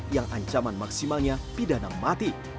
yang ancaman maksimalnya pidana mati